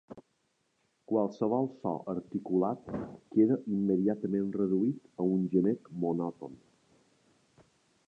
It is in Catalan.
Qualsevol so articulat queda immediatament reduït a un gemec monòton.